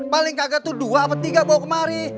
paling kaget tuh dua apa tiga bawa kemari